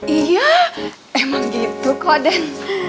iya emang gitu kok den